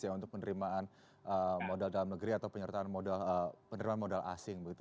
ya untuk penerimaan modal dalam negeri atau penyertaan modal penerimaan modal asing begitu